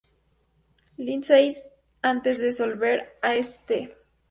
Lindsay" antes de volver a St.